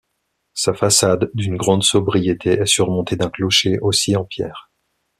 Sa façade, d'une grande sobriété, est surmontée d'un clocher, aussi en pierre.